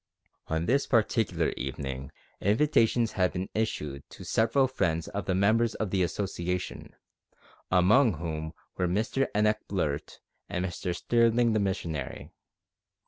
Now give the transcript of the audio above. On this particular evening invitations had been issued to several friends of the members of the Association, among whom were Mr Enoch Blurt and Mr Sterling the missionary.